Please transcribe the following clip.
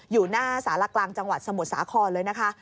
อยู่หน้าสารกลางจังหวัดสมุทรสาครเลยนะคะ